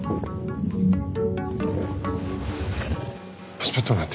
ちょっと待って。